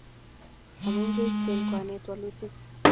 Amengeisten kwane walutik